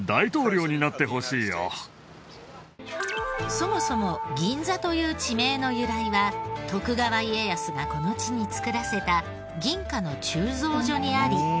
そもそも銀座という地名の由来は徳川家康がこの地に作らせた銀貨の鋳造所にあり。